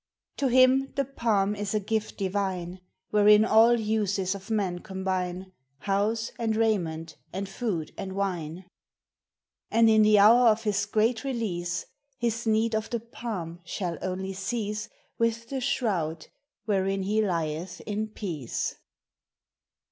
To him the palm is a gift divine, Wherein all uses of man combine, — House and raiment and food and wine! And, in the hour of his great release, His need of the palm shall only cease With the shroud wherein he lieth in peace.